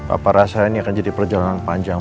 apa rasa ini akan jadi perjalanan panjang